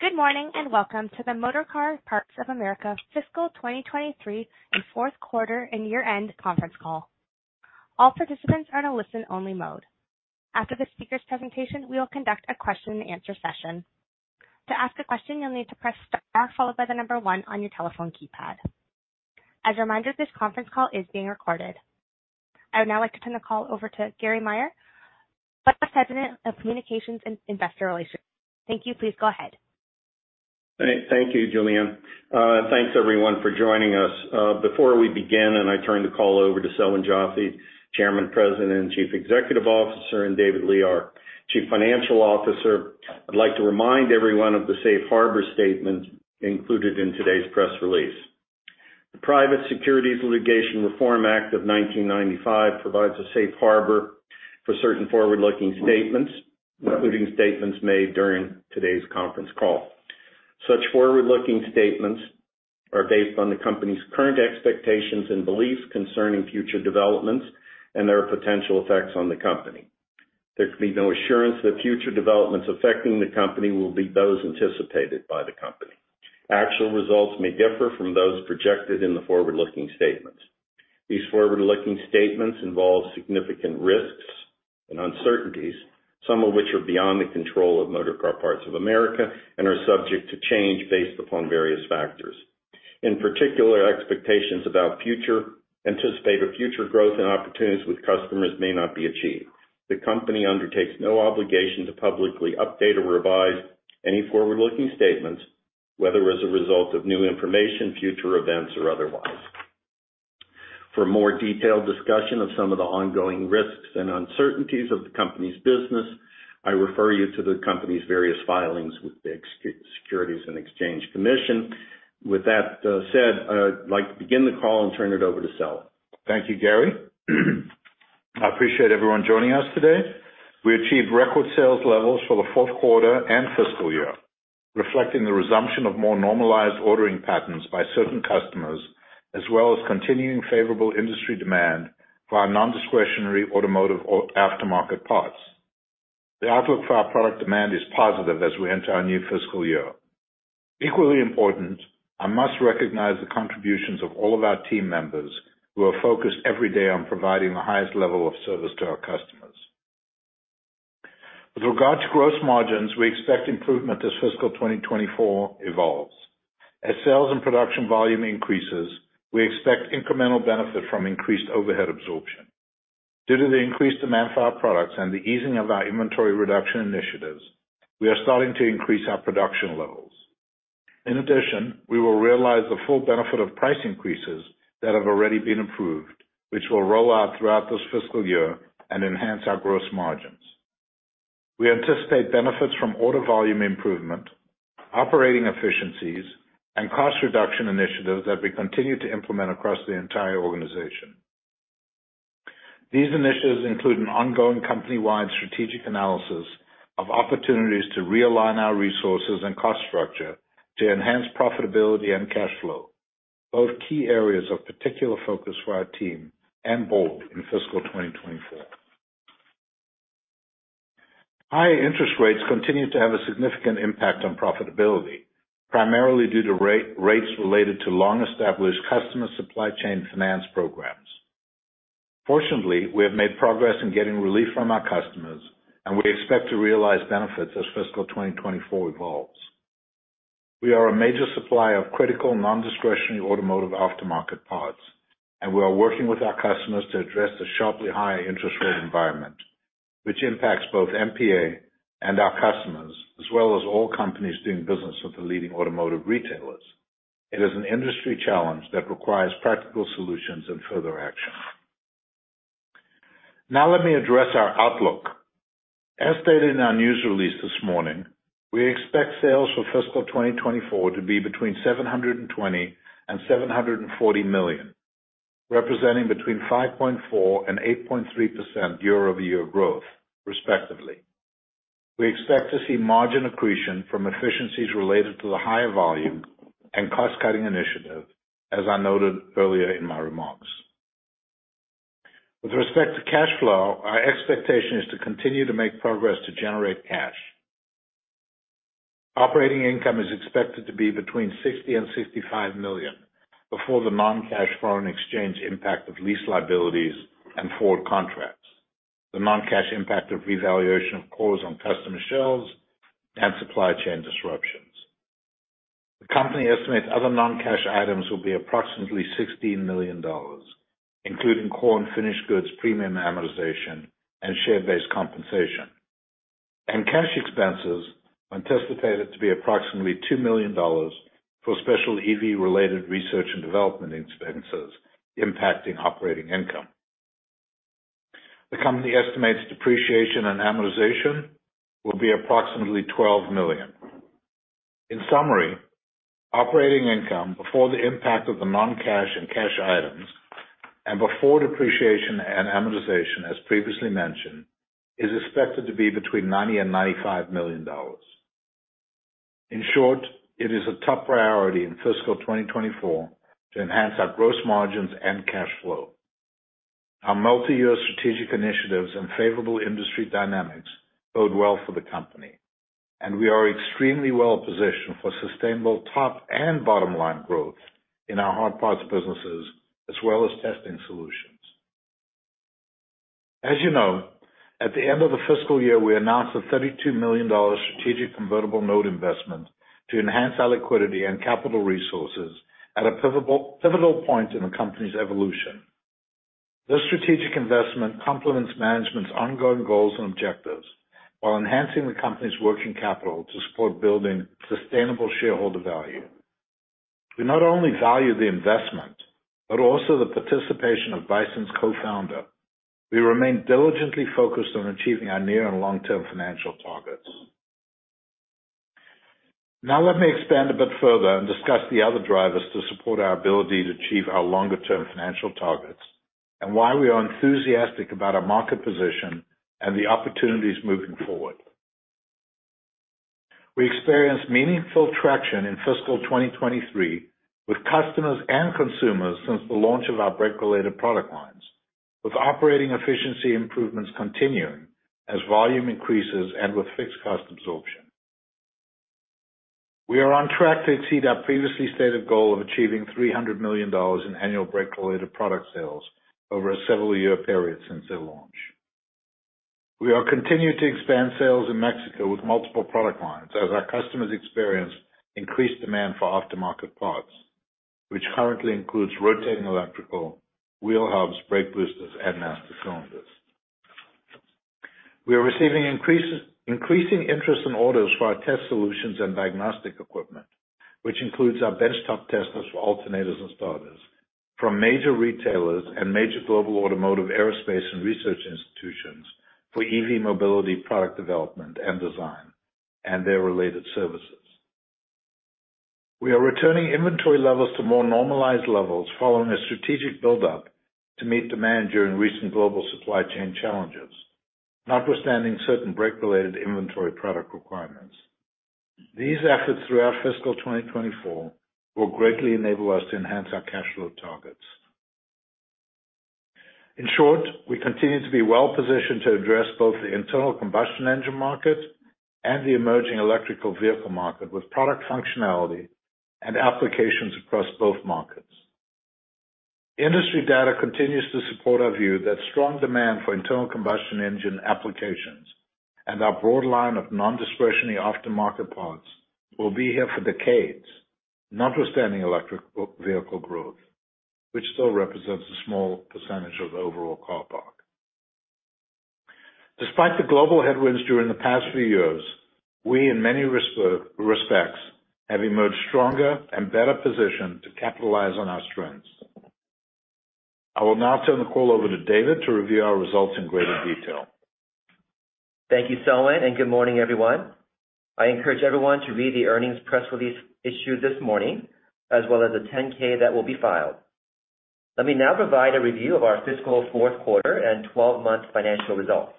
Good morning, welcome to the Motorcar Parts of America fiscal 2023 fourth quarter and year-end conference call. All participants are in a listen-only mode. After the speaker's presentation, we will conduct a question-and-answer session. To ask a question, you'll need to press star followed by one on your telephone keypad. As a reminder, this conference call is being recorded. I would now like to turn the call over to Gary Maier, Vice President of Communications and Investor Relations. Thank you. Please go ahead. Thank you, Julianne. Thanks everyone for joining us. Before we begin, and I turn the call over to Selwyn Joffe, Chairman, President, and Chief Executive Officer, and David Lee, our Chief Financial Officer, I'd like to remind everyone of the safe harbor statement included in today's press release. The Private Securities Litigation Reform Act of 1995 provides a safe harbor for certain forward-looking statements, including statements made during today's conference call. Such forward-looking statements are based on the company's current expectations and beliefs concerning future developments and their potential effects on the company. There can be no assurance that future developments affecting the company will be those anticipated by the company. Actual results may differ from those projected in the forward-looking statements. These forward-looking statements involve significant risks and uncertainties, some of which are beyond the control of Motorcar Parts of America and are subject to change based upon various factors. In particular, expectations about anticipated future growth and opportunities with customers may not be achieved. The company undertakes no obligation to publicly update or revise any forward-looking statements, whether as a result of new information, future events, or otherwise. For a more detailed discussion of some of the ongoing risks and uncertainties of the company's business, I refer you to the company's various filings with the SECURITIES AND EXCHANGE COMMISSION. With that said, I'd like to begin the call and turn it over to Selwyn. Thank you, Gary. I appreciate everyone joining us today. We achieved record sales levels for the fourth quarter and fiscal year, reflecting the resumption of more normalized ordering patterns by certain customers, as well as continuing favorable industry demand for our nondiscretionary automotive aftermarket parts. The outlook for our product demand is positive as we enter our new fiscal year. Equally important, I must recognize the contributions of all of our team members, who are focused every day on providing the highest level of service to our customers. With regard to gross margins, we expect improvement as fiscal 2024 evolves. As sales and production volume increases, we expect incremental benefit from increased overhead absorption. Due to the increased demand for our products and the easing of our inventory reduction initiatives, we are starting to increase our production levels. In addition, we will realize the full benefit of price increases that have already been approved, which will roll out throughout this fiscal year and enhance our gross margins. We anticipate benefits from order volume improvement, operating efficiencies, and cost reduction initiatives that we continue to implement across the entire organization. These initiatives include an ongoing company-wide strategic analysis of opportunities to realign our resources and cost structure to enhance profitability and cash flow, both key areas of particular focus for our team and bold in fiscal 2024. High interest rates continue to have a significant impact on profitability, primarily due to rates related to long-established customer supply chain finance programs. Fortunately, we have made progress in getting relief from our customers, and we expect to realize benefits as fiscal 2024 evolves. We are a major supplier of critical, nondiscretionary automotive aftermarket parts, we are working with our customers to address the sharply high interest rate environment, which impacts both MPA and our customers, as well as all companies doing business with the leading automotive retailers. It is an industry challenge that requires practical solutions and further action. Let me address our outlook. As stated in our news release this morning, we expect sales for fiscal 2024 to be between $720 million and $740 million, representing between 5.4% and 8.3% year-over-year growth, respectively. We expect to see margin accretion from efficiencies related to the higher volume and cost-cutting initiative, as I noted earlier in my remarks. With respect to cash flow, our expectation is to continue to make progress to generate cash. Operating income is expected to be between $60 million and $65 million before the non-cash foreign exchange impact of lease liabilities and forward contracts, the non-cash impact of revaluation of cores on customer shelves and supply chain disruptions. The company estimates other non-cash items will be approximately $16 million, including core and finished goods premium amortization and share-based compensation. Cash expenses are anticipated to be approximately $2 million for special EV-related research and development expenses impacting operating income. The company estimates depreciation and amortization will be approximately $12 million. In summary, operating income before the impact of the non-cash and cash items and before depreciation and amortization, as previously mentioned, is expected to be between $90 million and $95 million. In short, it is a top priority in fiscal 2024 to enhance our gross margins and cash flow. Our multiyear strategic initiatives and favorable industry dynamics bode well for the company. We are extremely well positioned for sustainable top and bottom line growth in our hard parts businesses, as well as testing solutions. As you know, at the end of the fiscal year, we announced a $32 million strategic convertible note investment to enhance our liquidity and capital resources at a pivotal point in the company's evolution. This strategic investment complements management's ongoing goals and objectives while enhancing the company's working capital to support building sustainable shareholder value. We not only value the investment, but also the participation of Bison's co-founder. We remain diligently focused on achieving our near and long-term financial targets. Let me expand a bit further and discuss the other drivers to support our ability to achieve our longer term financial targets, and why we are enthusiastic about our market position and the opportunities moving forward. We experienced meaningful traction in fiscal 2023 with customers and consumers since the launch of our brake-related product lines, with operating efficiency improvements continuing as volume increases and with fixed cost absorption. We are on track to exceed our previously stated goal of achieving $300 million in annual brake-related product sales over a several-year period since their launch. We are continuing to expand sales in Mexico with multiple product lines as our customers experience increased demand for aftermarket parts, which currently includes rotating electrical, wheel hubs, brake boosters, and master cylinders. We are receiving increasing interest in orders for our test solutions and diagnostic equipment, which includes our benchtop testers for alternators and starters from major retailers and major global automotive, aerospace, and research institutions for EV mobility, product development and design, and their related services. We are returning inventory levels to more normalized levels following a strategic buildup to meet demand during recent global supply chain challenges, notwithstanding certain brake-related inventory product requirements. These efforts throughout fiscal 2024 will greatly enable us to enhance our cash flow targets. In short, we continue to be well-positioned to address both the internal combustion engine market and the emerging electrical vehicle market, with product functionality and applications across both markets. Industry data continues to support our view that strong demand for internal combustion engine applications and our broad line of non-discretionary aftermarket parts will be here for decades, notwithstanding electric vehicle growth, which still represents a small percentage of the overall car park. Despite the global headwinds during the past few years, we, in many respects, have emerged stronger and better positioned to capitalize on our strengths. I will now turn the call over to David to review our results in greater detail. Thank you, Selwyn Joffe, and good morning, everyone. I encourage everyone to read the earnings press release issued this morning, as well as the 10-K that will be filed. Let me now provide a review of our fiscal fourth quarter and 12-month financial results.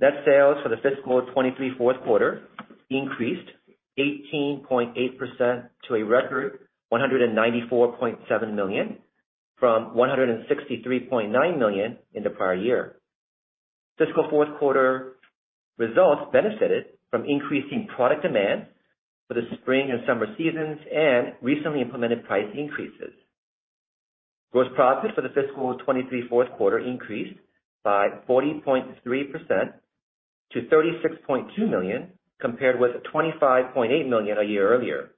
Net sales for the fiscal 2023 fourth quarter increased 18.8% to a record $194.7 million, from $163.9 million in the prior year. Fiscal fourth quarter results benefited from increasing product demand for the spring and summer seasons and recently implemented price increases. Gross profit for the fiscal 2023 fourth quarter increased by 40.3% million-$36.2 million, compared with $25.8 million a year earlier.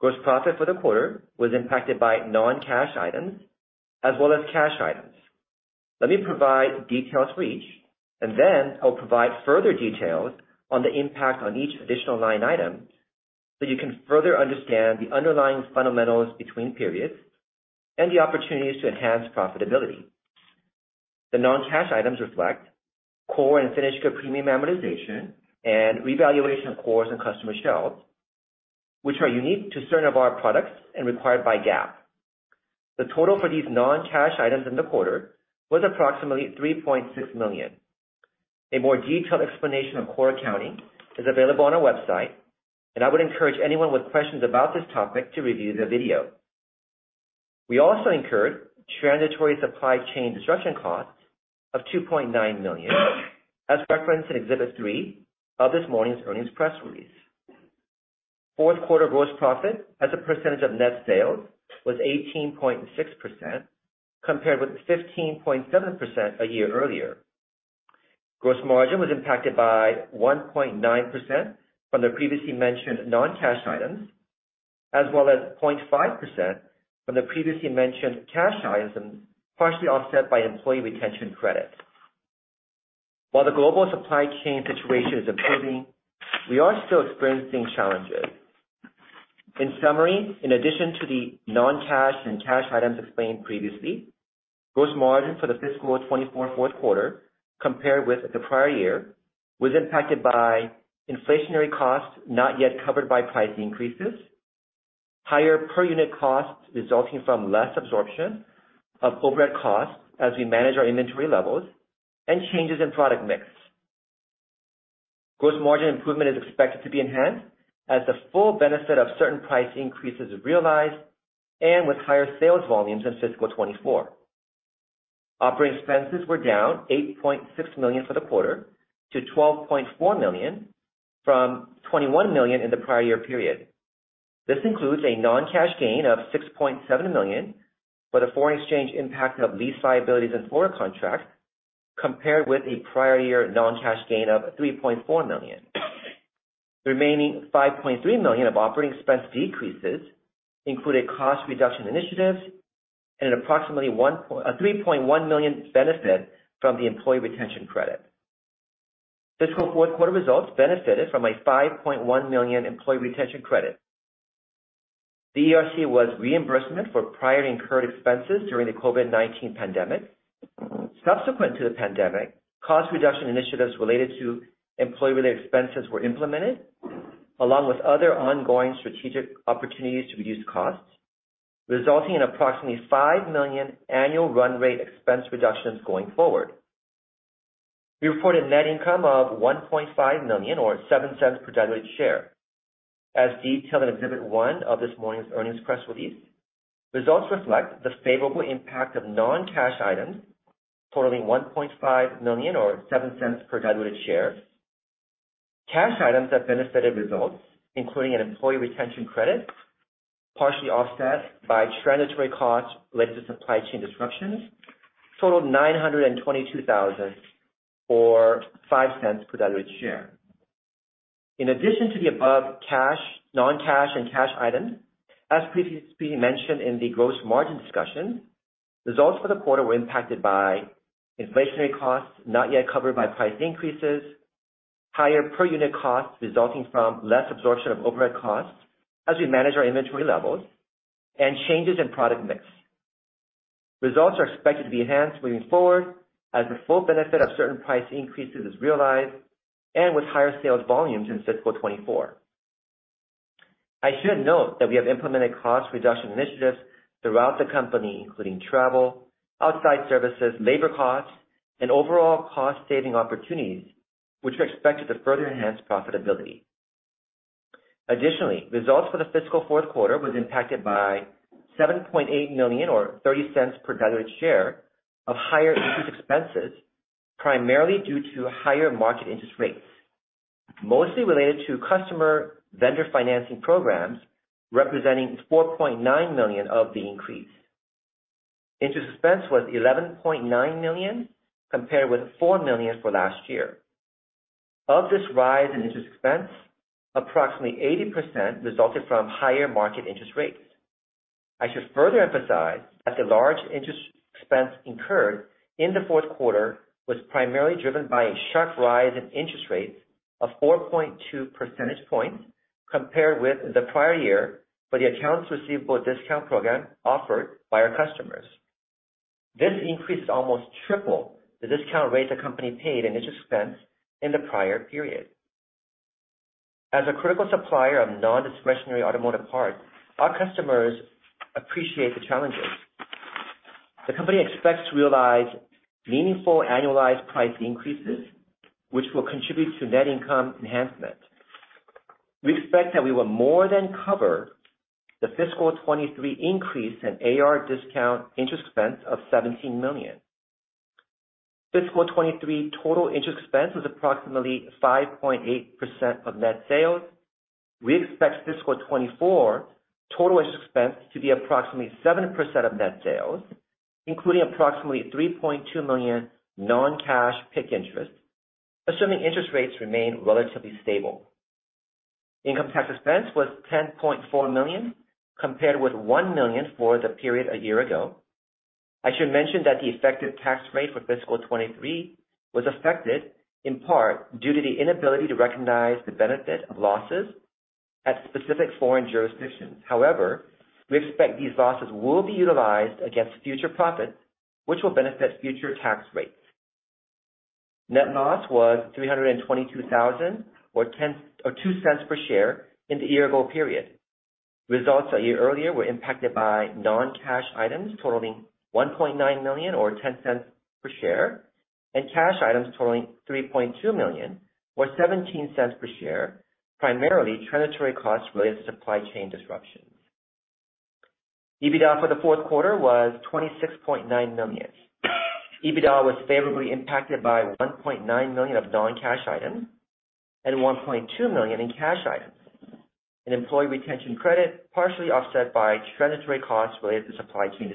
Gross profit for the quarter was impacted by non-cash items as well as cash items. Let me provide details for each, and then I'll provide further details on the impact on each additional line item, so you can further understand the underlying fundamentals between periods and the opportunities to enhance profitability. The non-cash items reflect core and finished good premium amortization and revaluation of cores and customer shelves, which are unique to certain of our products and required by GAAP. The total for these non-cash items in the quarter was approximately $3.6 million. A more detailed explanation of core accounting is available on our website, and I would encourage anyone with questions about this topic to review the video. We also incurred transitory supply chain disruption costs of $2.9 million, as referenced in Exhibit 3 of this morning's earnings press release. Fourth quarter gross profit as a percentage of net sales, was 18.6%, compared with 15.7% a year earlier. Gross margin was impacted by 1.9% from the previously mentioned non-cash items, as well as 0.5% from the previously mentioned cash items, partially offset by Employee Retention Credits. While the global supply chain situation is improving, we are still experiencing challenges. In summary, in addition to the non-cash and cash items explained previously, gross margin for the fiscal 2024 fourth quarter compared with the prior year, was impacted by inflationary costs not yet covered by price increases, higher per unit costs resulting from less absorption of overhead costs as we manage our inventory levels, and changes in product mix. Gross margin improvement is expected to be enhanced, as the full benefit of certain price increases is realized and with higher sales volumes in fiscal 2024. Operating expenses were down $8.6 million for the quarter to $12.4 million from $21 million in the prior year period. This includes a non-cash gain of $6.7 million, but a foreign exchange impact of lease liabilities and forward contracts, compared with a prior year non-cash gain of $3.4 million. The remaining $5.3 million of operating expense decreases included cost reduction initiatives and an approximately a $3.1 million benefit from the Employee Retention Credit. Fiscal fourth quarter results benefited from a $5.1 million Employee Retention Credit. The ERC was reimbursement for prior incurred expenses during the COVID-19 pandemic. Subsequent to the pandemic, cost reduction initiatives related to employee-related expenses were implemented, along with other ongoing strategic opportunities to reduce costs, resulting in approximately $5 million annual run rate expense reductions going forward. We reported net income of $1.5 million, or $0.07 per diluted share, as detailed in Exhibit 1 of this morning's earnings press release. Results reflect the favorable impact of non-cash items totaling $1.5 million, or $0.07 per diluted share. Cash items that benefited results, including an Employee Retention Credit, partially offset by transitory costs related to supply chain disruptions, totaled $922,000, or $0.05 per diluted share. In addition to the above cash... non-cash and cash items, as previously mentioned in the gross margin discussion, results for the quarter were impacted by inflationary costs not yet covered by price increases, higher per unit costs resulting from less absorption of overhead costs as we manage our inventory levels, and changes in product mix. Results are expected to be enhanced moving forward as the full benefit of certain price increases is realized and with higher sales volumes in fiscal 2024. I should note that we have implemented cost reduction initiatives throughout the company, including travel, outside services, labor costs, and overall cost saving opportunities, which are expected to further enhance profitability. Results for the fiscal fourth quarter was impacted by $7.8 million, or $0.30 per diluted share, of higher interest expenses, primarily due to higher market interest rates, mostly related to customer vendor financing programs, representing $4.9 million of the increase. Interest expense was $11.9 million, compared with $4 million for last year. Of this rise in interest expense, approximately 80% resulted from higher market interest rates. I should further emphasize that the large interest expense incurred in the fourth quarter was primarily driven by a sharp rise in interest rates of 4.2 percentage points compared with the prior year for the accounts receivable discount program offered by our customers. This increase is almost triple the discount rate the company paid in interest expense in the prior period. As a critical supplier of non-discretionary automotive parts, our customers appreciate the challenges. The company expects to realize meaningful annualized price increases, which will contribute to net income enhancement. We expect that we will more than cover the fiscal 2023 increase in AR discount interest expense of $17 million. Fiscal 2023 total interest expense was approximately 5.8% of net sales. We expect fiscal 2024 total interest expense to be approximately 7% of net sales, including approximately $3.2 million non-cash PIK interest, assuming interest rates remain relatively stable. Income tax expense was $10.4 million, compared with $1 million for the period a year ago. I should mention that the effective tax rate for fiscal 2023 was affected in part due to the inability to recognize the benefit of losses at specific foreign jurisdictions. We expect these losses will be utilized against future profits, which will benefit future tax rates. Net loss was $322,000 or $0.02 per share in the year ago period. Results a year earlier were impacted by non-cash items totaling $1.9 million or $0.10 per share, and cash items totaling $3.2 million, or $0.17 per share, primarily transitory costs related to supply chain disruptions. EBITDA for the fourth quarter was $26.9 million. EBITDA was favorably impacted by $1.9 million of non-cash items and $1.2 million in cash items, and Employee Retention Credit, partially offset by transitory costs related to supply chain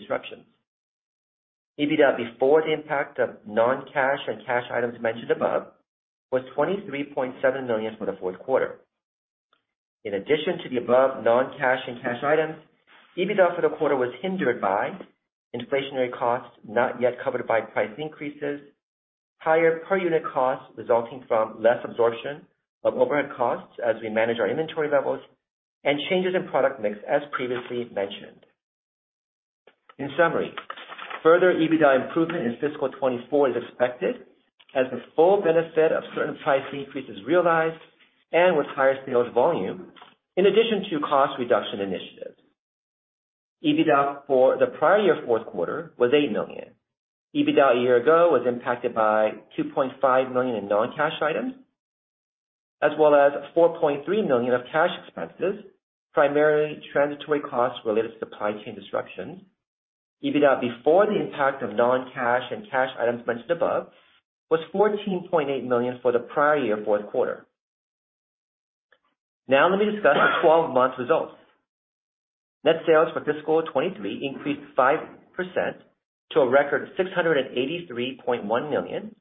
disruptions. EBITDA before the impact of non-cash and cash items mentioned above, was $23.7 million for the fourth quarter. In addition to the above non-cash and cash items, EBITDA for the quarter was hindered by inflationary costs not yet covered by price increases, higher per unit costs resulting from less absorption of overhead costs as we manage our inventory levels, and changes in product mix, as previously mentioned. In summary, further EBITDA improvement in fiscal 2024 is expected as the full benefit of certain price increases is realized and with higher sales volume, in addition to cost reduction initiatives. EBITDA for the prior year fourth quarter was $8 million. EBITDA a year ago was impacted by $2.5 million in non-cash items, as well as $4.3 million of cash expenses, primarily transitory costs related to supply chain disruptions. EBITDA before the impact of non-cash and cash items mentioned above, was $14.8 million for the prior year fourth quarter. Now let me discuss the 12-month results. Net sales for fiscal 2023 increased 5% to a record $683.1 million,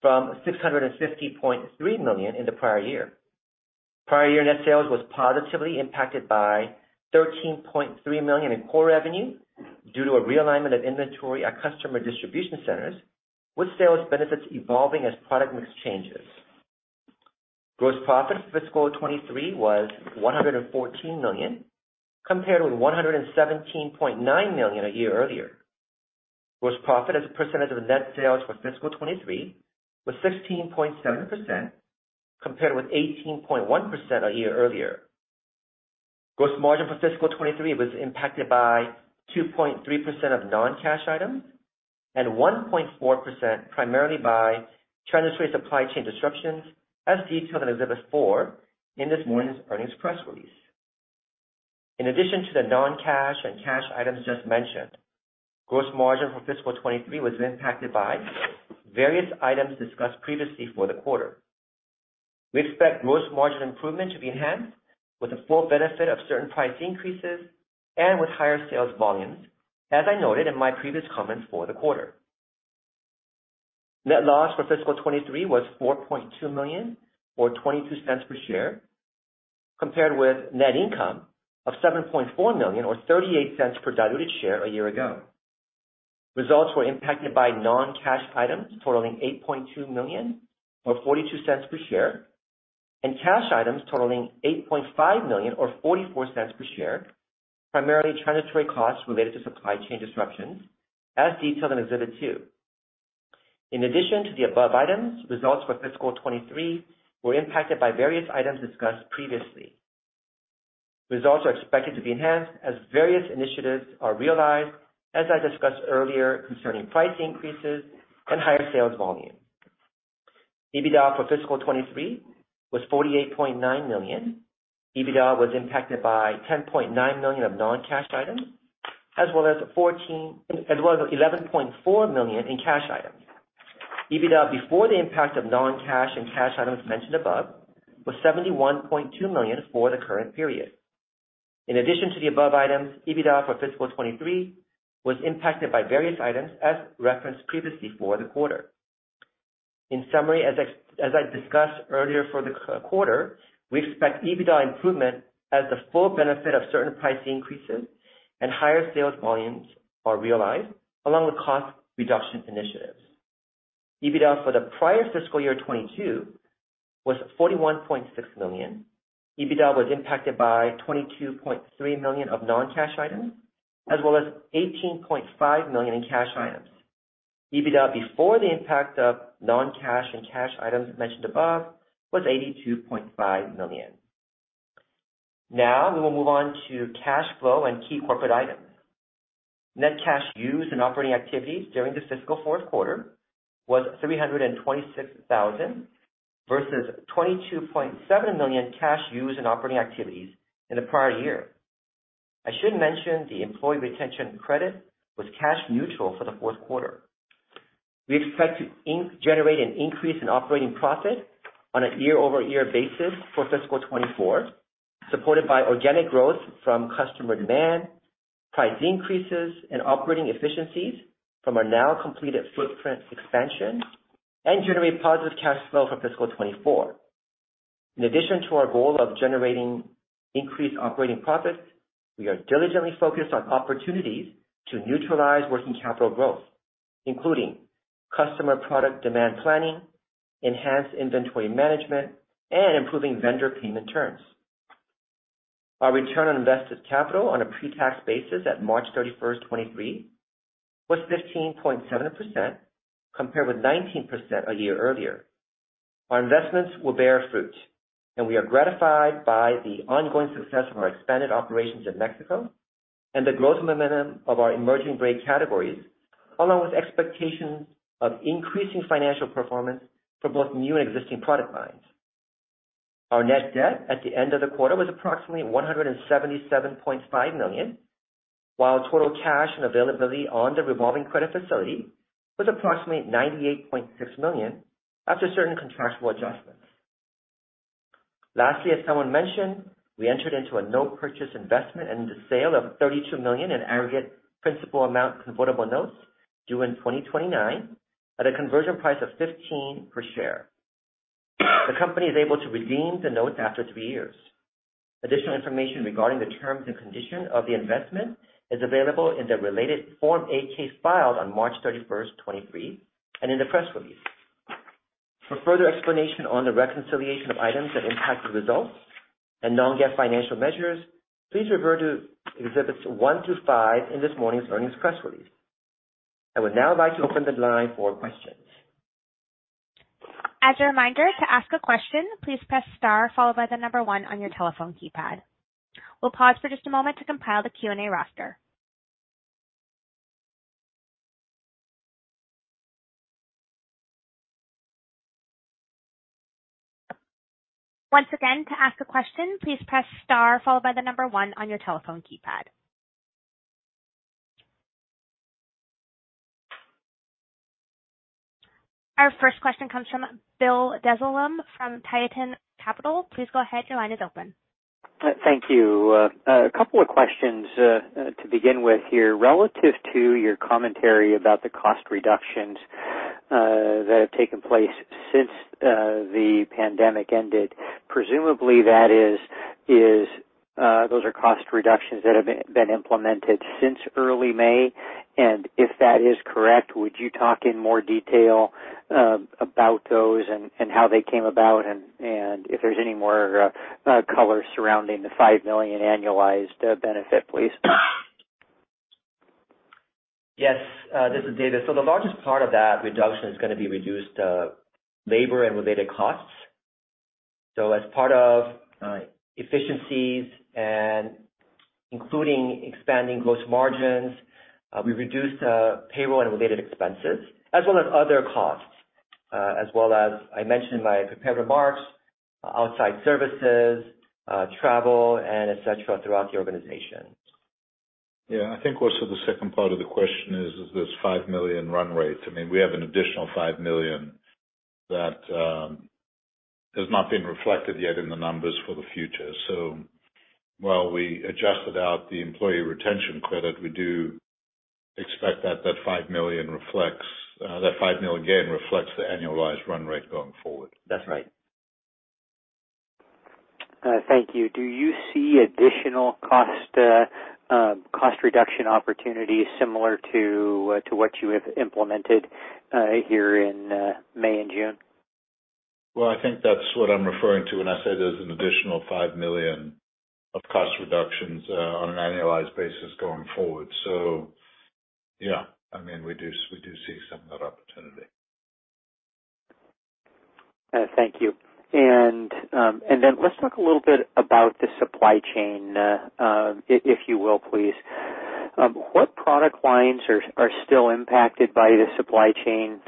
from $650.3 million in the prior year. Prior year net sales was positively impacted by $13.3 million in core revenue due to a realignment of inventory at customer distribution centers, with sales benefits evolving as product mix changes. Gross profit fiscal 2023 was $114 million, compared with $117.9 million a year earlier. Gross profit as a percentage of net sales for fiscal 2023 was 16.7%, compared with 18.1% a year earlier. Gross margin for fiscal 2023 was impacted by 2.3% of non-cash items and 1.4%, primarily by transitory supply chain disruptions, as detailed in Exhibit 4 in this morning's earnings press release. In addition to the non-cash and cash items just mentioned, gross margin for fiscal 2023 was impacted by various items discussed previously for the quarter. We expect gross margin improvement to be enhanced with the full benefit of certain price increases and with higher sales volumes, as I noted in my previous comments for the quarter. Net loss for fiscal 2023 was $4.2 million, or $0.22 per share, compared with net income of $7.4 million, or $0.38 per diluted share a year ago. Results were impacted by non-cash items totaling $8.2 million, or $0.42 per share, and cash items totaling $8.5 million or $0.44 per share, primarily transitory costs related to supply chain disruptions, as detailed in Exhibit 2. To the above items, results for fiscal 2023 were impacted by various items discussed previously. Results are expected to be enhanced as various initiatives are realized, as I discussed earlier, concerning price increases and higher sales volume. EBITDA for fiscal 2023 was $48.9 million. EBITDA was impacted by $10.9 million of non-cash items, as well as 11.4 million in cash items. EBITDA, before the impact of non-cash and cash items mentioned above, was $71.2 million for the current period. In addition to the above items, EBITDA for fiscal 2023 was impacted by various items, as referenced previously for the quarter. In summary, as I discussed earlier for the quarter, we expect EBITDA improvement as the full benefit of certain price increases and higher sales volumes are realized, along with cost reduction initiatives. EBITDA for the prior fiscal year, 2022, was $41.6 million. EBITDA was impacted by $22.3 million of non-cash items, as well as $18.5 million in cash items. EBITDA, before the impact of non-cash and cash items mentioned above, was $82.5 million. Now we will move on to cash flow and key corporate items. Net cash used in operating activities during the fiscal fourth quarter was $326,000, versus $22.7 million cash used in operating activities in the prior year. I should mention the Employee Retention Credit was cash neutral for the fourth quarter. We expect to generate an increase in operating profit on a year-over-year basis for fiscal 2024, supported by organic growth from customer demand, price increases, and operating efficiencies from our now completed footprint expansion, and generate positive cash flow for fiscal 2024. In addition to our goal of generating increased operating profits, we are diligently focused on opportunities to neutralize working capital growth, including customer product demand planning, enhanced inventory management, and improving vendor payment terms. Our Return on Invested Capital on a pre-tax basis at March 31, 2023, was 15.7%, compared with 19% a year earlier. Our investments will bear fruit, and we are gratified by the ongoing success of our expanded operations in Mexico and the growth momentum of our emerging brake categories, along with expectations of increasing financial performance for both new and existing product lines. Our net debt at the end of the quarter was approximately $177.5 million, while total cash and availability on the revolving credit facility was approximately $98.6 million, after certain contractual adjustments. Lastly, as someone mentioned, we entered into a note purchase investment and the sale of $32 million in aggregate principal amount convertible notes due in 2029 at a conversion price of $15 per share. The company is able to redeem the notes after three years. Additional information regarding the terms and conditions of the investment is available in the related Form 8-K filed on March 31st, 2023, and in the press release. For further explanation on the reconciliation of items that impact the results and non-GAAP financial measures, please refer to Exhibits 1 to Exhibits 5 in this morning's earnings press release. I would now like to open the line for questions. As a reminder, to ask a question, please press star, followed by the number one on your telephone keypad. We'll pause for just a moment to compile the Q&A roster. Once again, to ask a question, please press star followed by the number one on your telephone keypad. Our first question comes from Bill Dezellem from Tieton Capital. Please go ahead. Your line is open. Thank you. A couple of questions to begin with here. Relative to your commentary about the cost reductions that have taken place since the pandemic ended, presumably that is those are cost reductions that have been implemented since early May. If that is correct, would you talk in more detail about those and how they came about, and if there's any more color surrounding the $5 million annualized benefit, please? Yes. This is David. The largest part of that reduction is gonna be reduced, labor and related costs. As part of efficiencies and including expanding gross margins, we reduced payroll and related expenses, as well as other costs, as well as I mentioned in my prepared remarks, outside services, travel and et cetera, throughout the organization. Yeah. I think also the second part of the question is this $5 million run rate. I mean, we have an additional $5 million that has not been reflected yet in the numbers for the future. While we adjusted out the Employee Retention Credit, we do expect that $5 million gain reflects the annualized run rate going forward. That's right. Thank you. Do you see additional cost reduction opportunities similar to what you have implemented here in May and June? Well, I think that's what I'm referring to when I say there's an additional $5 million of cost reductions on an annualized basis going forward. Yeah, I mean, we do see some of that opportunity. Thank you. Then let's talk a little bit about the supply chain, if you will, please. What product lines are still impacted by the supply chain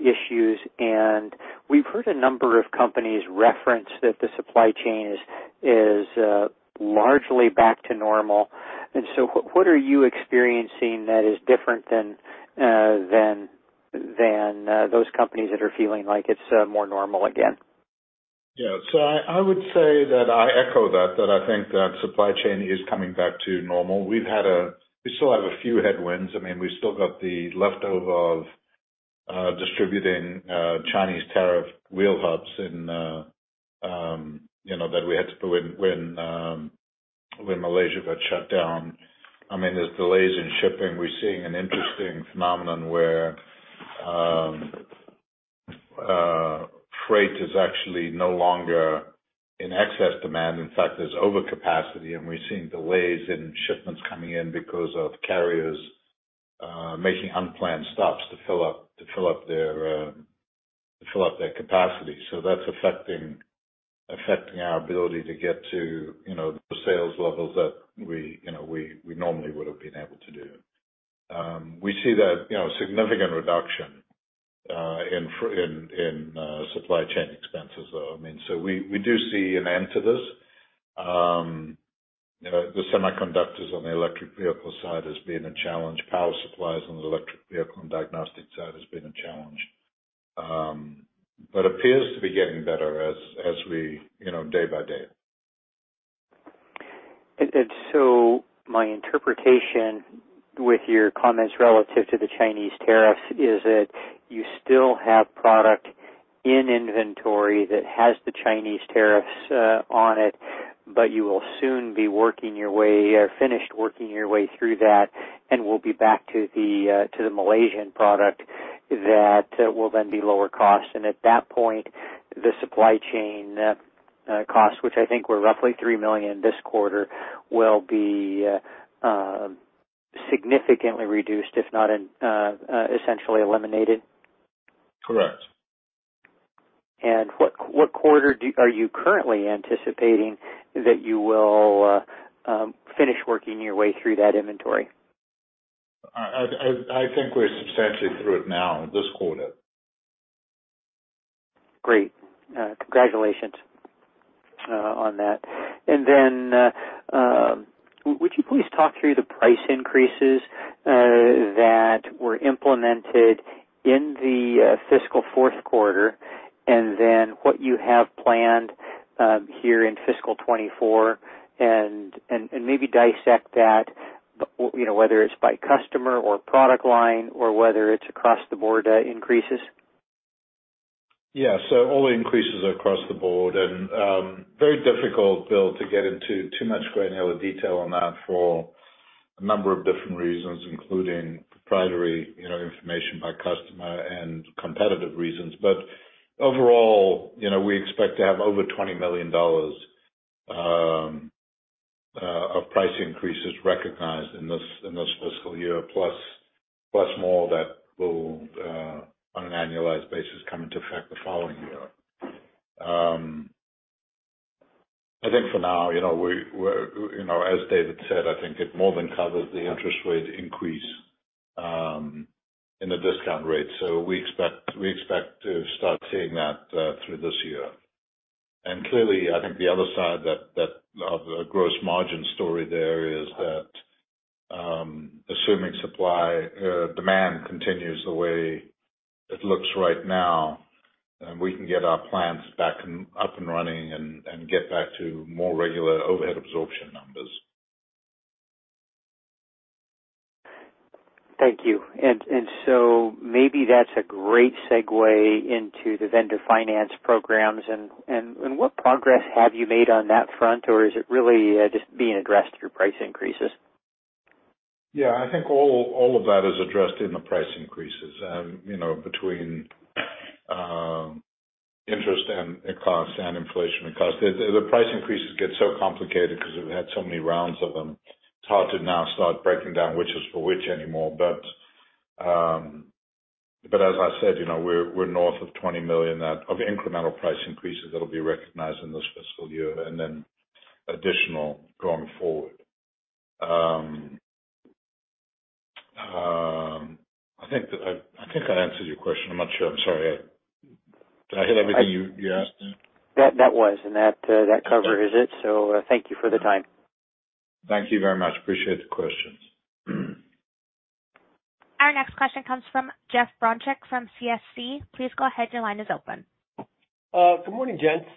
issues? We've heard a number of companies reference that the supply chain is largely back to normal. So what are you experiencing that is different than those companies that are feeling like it's more normal again? I would say that I echo that I think that supply chain is coming back to normal. We still have a few headwinds. I mean, we've still got the leftover of distributing Chinese tariff wheel hubs and, you know, that we had to do when Malaysia got shut down. I mean, there's delays in shipping. We're seeing an interesting phenomenon where freight is actually no longer in excess demand. In fact, there's overcapacity, and we're seeing delays in shipments coming in because of carriers making unplanned stops to fill up their capacity. That's affecting our ability to get to, you know, the sales levels that we, you know, we normally would have been able to do. We see that, you know, a significant reduction, in supply chain expenses, though. I mean, we do see an end to this. You know, the semiconductors on the electric vehicle side has been a challenge. Power supplies on the electric vehicle and diagnostic side has been a challenge. Appears to be getting better as we, you know, day by day. My interpretation with your comments relative to the Chinese tariffs is that you still have product in inventory that has the Chinese tariffs on it, but you will soon be working your way or finished working your way through that and will be back to the Malaysian product that will then be lower cost. At that point, the supply chain cost, which I think were roughly $3 million this quarter, will be significantly reduced, if not essentially eliminated? Correct. What quarter are you currently anticipating that you will finish working your way through that inventory? I think we're substantially through it now, this quarter. Great. Congratulations on that. Would you please talk through the price increases that were implemented in the fiscal fourth quarter, and then what you have planned here in fiscal 24, and maybe dissect that, you know, whether it's by customer or product line or whether it's across-the-board increases? Yeah. All increases are across the board, and very difficult, Bill, to get into too much granular detail on that for a number of different reasons, including proprietary, you know, information by customer and competitive reasons. Overall, you know, we expect to have over $20 million increases recognized in this fiscal year, plus more that will, on an annualized basis, come into effect the following year. I think for now, you know, we're, you know, as David said, I think it more than covers the interest rate increase in the discount rate. We expect to start seeing that through this year. Clearly, I think the other side that of the gross margin story there is that, assuming supply, demand continues the way it looks right now, and we can get our plants back and up and running and get back to more regular overhead absorption numbers. Thank you. Maybe that's a great segue into the vendor finance programs. What progress have you made on that front, or is it really just being addressed through price increases? Yeah, I think all of that is addressed in the price increases. you know, between interest and cost and inflation and cost. The price increases get so complicated because we've had so many rounds of them. It's hard to now start breaking down which is for which anymore. As I said, you know, we're north of $20 million, that of incremental price increases that'll be recognized in this fiscal year and then additional going forward. I think that I think I answered your question. I'm not sure. I'm sorry. Did I hit everything you asked there? That was, and that covers it. Okay. Thank you for the time. Thank you very much. Appreciate the questions. Our next question comes from Jeff Bronchick from CSC. Please go ahead. Your line is open. Good morning, gents.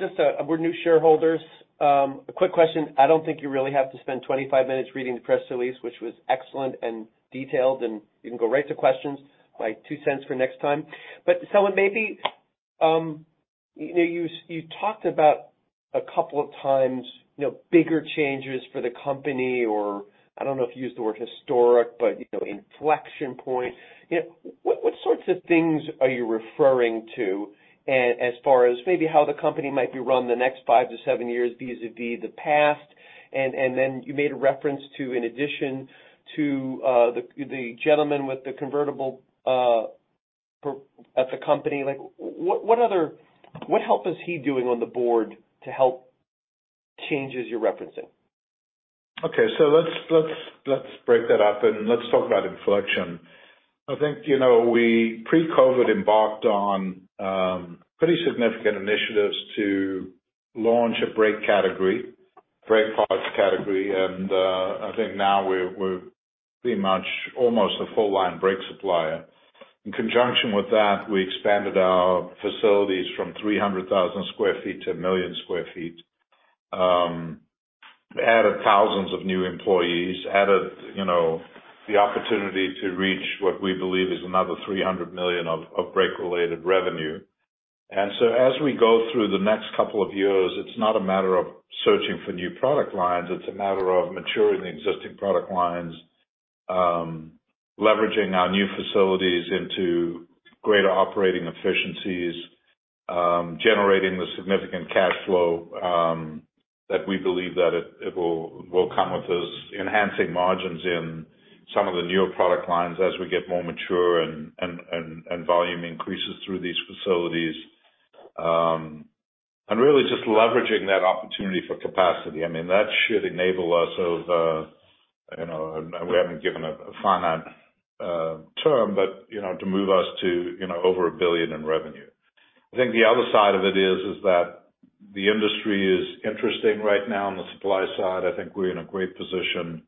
Just, we're new shareholders. A quick question. I don't think you really have to spend 25-minutes reading the press release, which was excellent and detailed, and you can go right to questions. My $0.02 for next time. It may be, you know, you talked about a couple of times, you know, bigger changes for the company, or I don't know if you used the word historic, but, you know, inflection point. You know, what sorts of things are you referring to as far as maybe how the company might be run the next five to seven years, vis-a-vis the past? Then you made a reference to, in addition to, the gentleman with the convertible, at the company, like, what help is he doing on the board to help changes you're referencing? Okay. let's break that up, and let's talk about inflection. I think, you know, we pre-COVID embarked on pretty significant initiatives to launch a brake category, brake parts category, and I think now we're pretty much almost a full line brake supplier. In conjunction with that, we expanded our facilities from 300,000 sq ft to 1 million sq ft, added thousands of new employees, added, you know, the opportunity to reach what we believe is another $300 million of brake-related revenue. As we go through the next couple of years, it's not a matter of searching for new product lines. It's a matter of maturing the existing product lines, leveraging our new facilities into greater operating efficiencies, generating the significant cash flow that we believe that it will come with us, enhancing margins in some of the newer product lines as we get more mature and volume increases through these facilities. Really just leveraging that opportunity for capacity. I mean, that should enable us of, you know, and we haven't given a finite term, but, you know, to move us to, you know, over $1 billion in revenue. The other side of it is that the industry is interesting right now on the supply side. I think we're in a great position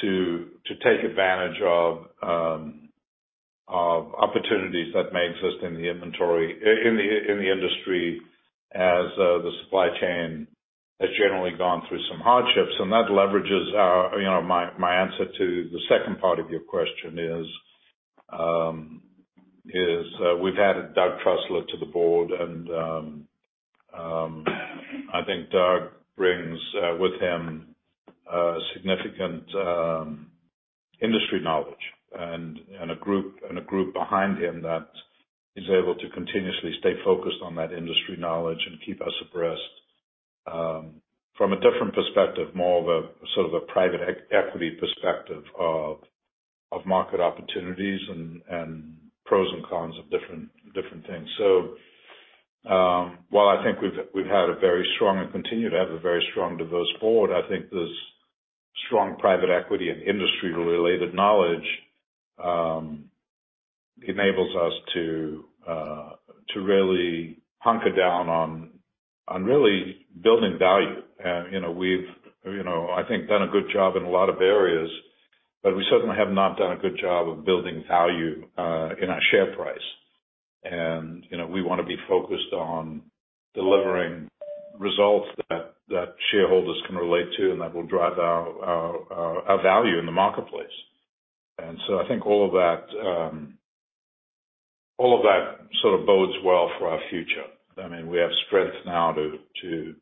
to take advantage of opportunities that may exist in the inventory, in the industry, as the supply chain has generally gone through some hardships. That leverages our... You know, my answer to the second part of your question is, we've added Doug Trussler to the board, and I think Doug brings with him significant industry knowledge and a group behind him that is able to continuously stay focused on that industry knowledge and keep us abreast from a different perspective, more of a, sort of a private equity perspective of market opportunities and pros and cons of different things. While I think we've had a very strong and continue to have a very strong diverse board, I think this strong private equity and industry-related knowledge enables us to really hunker down on really building value. You know, we've, you know I think, done a good job in a lot of areas, but we certainly have not done a good job of building value in our share price. You know, we want to be focused on delivering, results that shareholders can relate to and that will drive our value in the marketplace. I think all of that, all of that sort of bodes well for our future. I mean, we have strength now to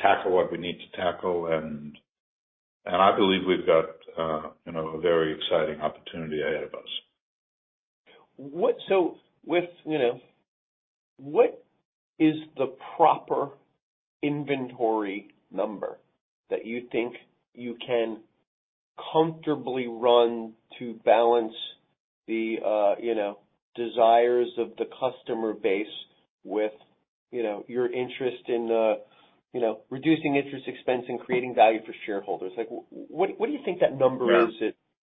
tackle what we need to tackle, and I believe we've got, you know, a very exciting opportunity ahead of us. With, you know, what is the proper inventory number that you think you can comfortably run to balance the, you know, desires of the customer base with, you know, your interest in, you know, reducing interest expense and creating value for shareholders? Like, what do you think that number is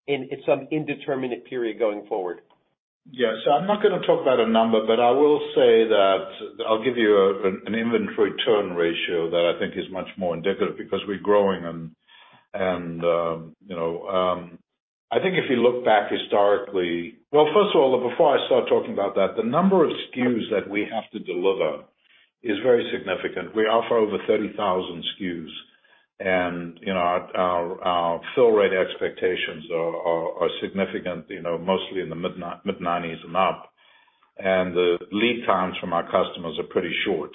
in some indeterminate period going forward? Yeah. I'm not gonna talk about a number, but I will say that I'll give you an inventory turn ratio that I think is much more indicative, because we're growing and, you know, I think if you look back historically. Well, first of all, before I start talking about that, the number of SKUs that we have to deliver is very significant. We offer over 30,000 SKUs, and, you know, our fill rate expectations are significant, you know, mostly in the mid-90s and up, and the lead times from our customers are pretty short.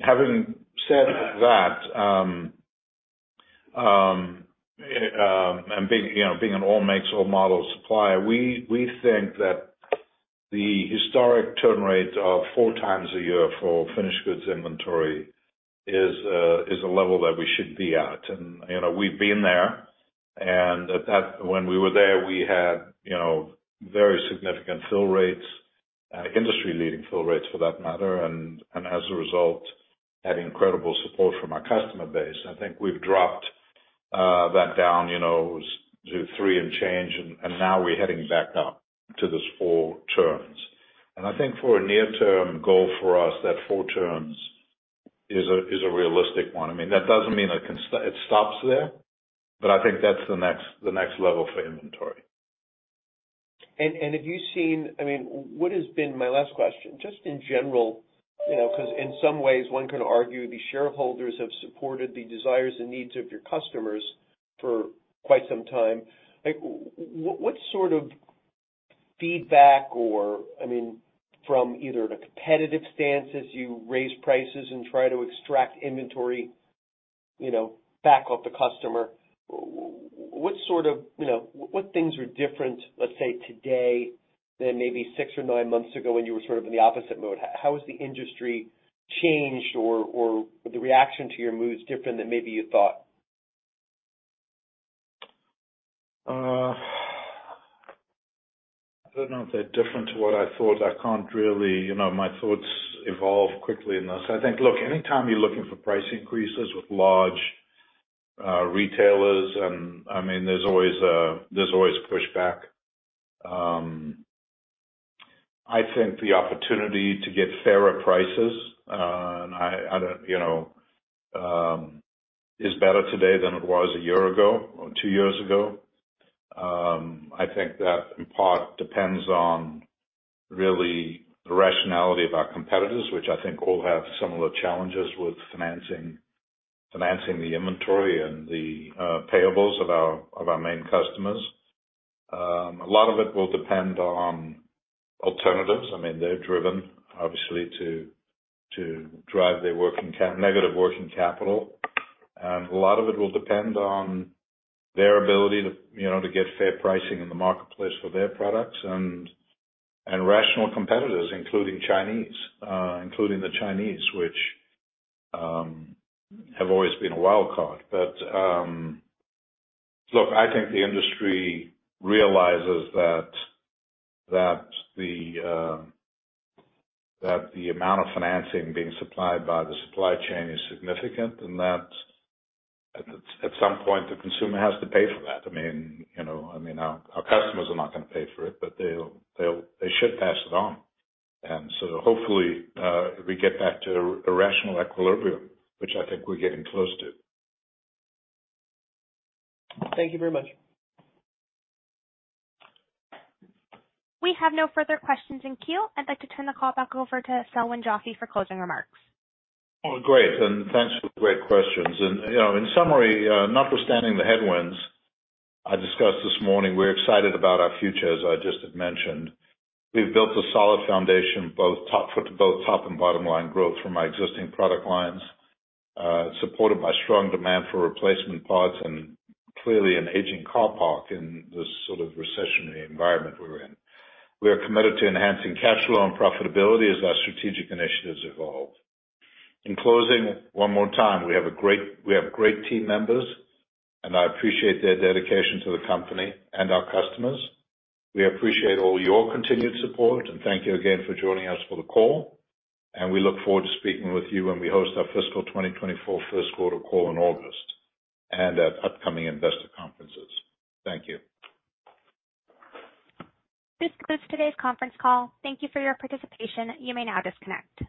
Having said that, and being, you know, being an all-makes, all-models supplier, we think that the historic turn rates of four times a year for finished goods inventory is a level that we should be at. You know, we've been there, and at that, when we were there, we had, you know, very significant fill rates, industry-leading fill rates, for that matter, and as a result, had incredible support from our customer base. I think we've dropped that down, you know, to three and change, and now we're heading back up to this four turns. I think for a near-term goal for us, that four turns is a realistic one. I mean, that doesn't mean it stops there, but I think that's the next level for inventory. Have you seen — I mean, what has been. My last question, just in general, you know, because in some ways, one can argue the shareholders have supported the desires and needs of your customers for quite some time. Like, what sort of feedback or, I mean, from either the competitive stance as you raise prices and try to extract inventory, you know, back off the customer, what sort of, you know, what things are different, let's say, today than maybe six or nine months ago when you were sort of in the opposite mode? How has the industry changed or the reaction to your moves different than maybe you thought? I don't know if they're different to what I thought. I can't really, you know, my thoughts evolve quickly enough. I think, look, anytime you're looking for price increases with large retailers and, I mean, there's always pushback. I think the opportunity to get fairer prices, and I don't, you know, is better today than it was a year ago or two years ago. I think that, in part, depends on really the rationality of our competitors, which I think all have similar challenges with financing the inventory and the payables of our main customers. A lot of it will depend on alternatives. I mean, they're driven, obviously, to drive their negative working capital. A lot of it will depend on their ability to, you know, to get fair pricing in the marketplace for their products and rational competitors, including Chinese, including the Chinese, which have always been a wild card. Look, I think the industry realizes that the amount of financing being supplied by the supply chain is significant, and that at some point, the consumer has to pay for that. I mean, you know, I mean, our customers are not gonna pay for it, but they'll they should pass it on. Hopefully, we get back to a rational equilibrium, which I think we're getting close to. Thank you very much. We have no further questions in queue. I'd like to turn the call back over to Selwyn Joffe for closing remarks. Well, great, thanks for the great questions. You know, in summary, notwithstanding the headwinds I discussed this morning, we're excited about our future, as I just had mentioned. We've built a solid foundation, both top and bottom line growth from my existing product lines, supported by strong demand for replacement parts and clearly an aging car park in this sort of recessionary environment we're in. We are committed to enhancing cash flow and profitability as our strategic initiatives evolve. In closing, one more time, we have great team members, and I appreciate their dedication to the company and our customers. We appreciate all your continued support, and thank you again for joining us for the call, and we look forward to speaking with you when we host our fiscal 2024 first quarter call in August and at upcoming investor conferences. Thank you. This concludes today's conference call. Thank you for your participation. You may now disconnect.